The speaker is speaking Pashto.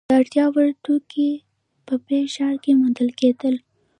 د اړتیا وړ توکي په ب ښار کې موندل کیدل.